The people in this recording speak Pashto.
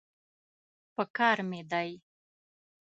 پکار مې دی.